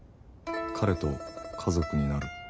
彼と家族になる。